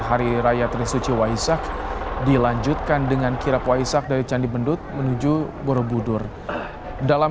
hari raya trisuci waisak dilanjutkan dengan kirap waisak dari candi bendut menuju borobudur dalam